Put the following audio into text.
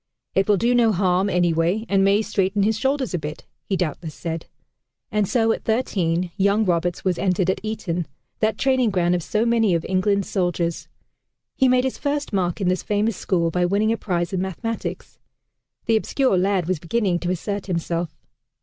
"It will do no harm, anyway, and may straighten his shoulders a bit," he doubtless said. And so at thirteen, young Roberts was entered at Eton, that training ground of so many of England's soldiers. He made his first mark in this famous school by winning a prize in mathematics. The obscure lad was beginning to assert himself.